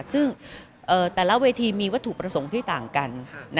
ซึ่งแต่ละเวทีมีวัตถุประสงค์ที่ต่างกัน